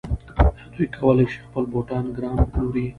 آیا دی کولی شي خپل بوټان ګران وپلوري؟